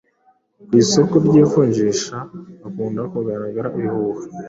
ku isoko ry’ivunjisha hakunda kugaragara ibihuha